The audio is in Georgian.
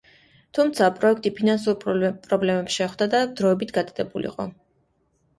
თუმცა, პროექტი ფინანსურ პრობლემებს შეხვდა და დროებით გადადებულიყო.